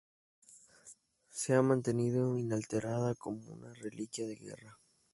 Se ha mantenido inalterada como una reliquia de guerra.